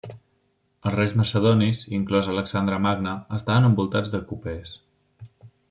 Els reis macedonis, inclòs Alexandre Magne, estaven envoltats de copers.